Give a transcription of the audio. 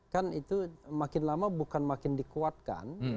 kan itu makin lama bukan makin dikuatkan